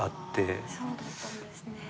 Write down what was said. そうだったんですね。